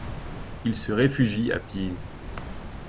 Ils se réfugient à Pise.